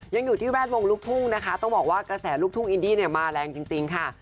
ยังอยู่ที่แวดวงลูกทุ่งนะคะต้องบอกว่ากระแสลูกทุ่งอินดี้เนี่ยมาแรงจริงค่ะ